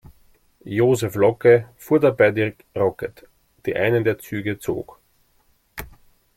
Joseph Locke fuhr dabei die Rocket, die einen der Züge zog.